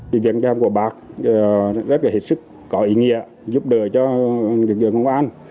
viện trang của bà rất là hệ sức có ý nghĩa giúp đỡ cho người công an